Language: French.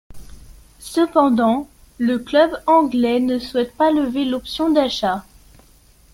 Cependant, le club anglais ne souhaite pas lever l'option d'achat.